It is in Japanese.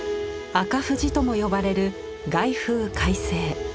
赤富士とも呼ばれる「凱風快晴」。